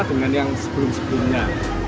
dengan yang sebelum sebelumnya